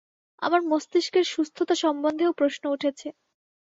আমার মস্তিষ্কের সুস্থতা সম্বন্ধেও প্রশ্ন উঠেছে।